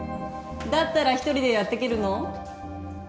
だったら一人でやっていけるの？